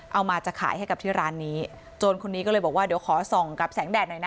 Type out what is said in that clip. เอามาจะขายให้กับที่ร้านนี้โจรคนนี้ก็เลยบอกว่าเดี๋ยวขอส่องกับแสงแดดหน่อยนะ